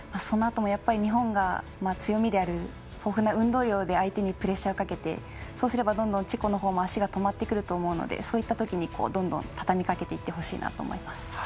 そのあとも日本が強みである豊富な運動量で相手にプレッシャーをかけてそうすればどんどんチェコのほうも足が止まってくると思うのでそういったときにどんどんたたみかけていってほしいなと思います。